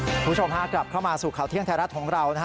คุณผู้ชมฮะกลับเข้ามาสู่ข่าวเที่ยงไทยรัฐของเรานะฮะ